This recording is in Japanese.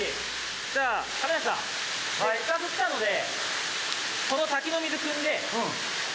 じゃあ亀梨さんせっかく来たのでこの滝の水くんで。